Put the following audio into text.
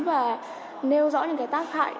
và nêu rõ những tác hại